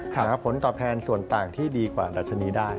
หาผลตอบแทนส่วนต่างที่ดีกว่าดัชนีได้